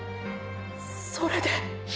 それで？